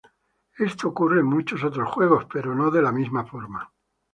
Esto ocurre en muchos otros juegos, pero no de la misma forma.